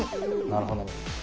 なるほど。